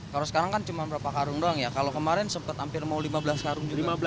kalau sekarang kan cuma berapa karung doang ya kalau kemarin sempat hampir mau lima belas karung